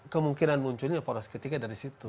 kemungkinan munculnya poros ketiga dari situ